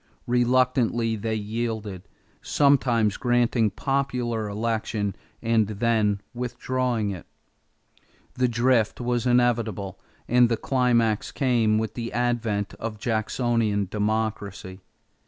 Reluctantly they yielded, sometimes granting popular election and then withdrawing it. The drift was inevitable, and the climax came with the advent of Jacksonian democracy.